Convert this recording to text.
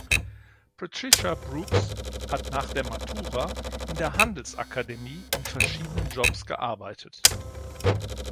Patricia Brooks hat nach der Matura in der Handelsakademie in verschiedenen Jobs gearbeitet.